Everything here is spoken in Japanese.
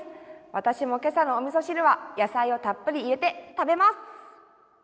私も今朝のおみそ汁は野菜をたっぷり入れて食べます！